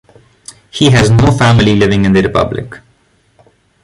He has no family living in the republic.